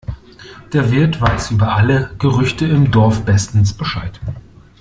Der Wirt weiß über alle Gerüchte im Dorf bestens Bescheid.